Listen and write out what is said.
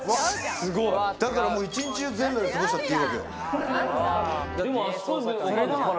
だからもう一日中、全裸で過ごしちゃったっていいわけよ。